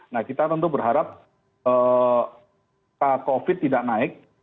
nah kita tentu berharap covid tidak naik